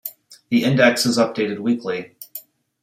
The index is updated weekly.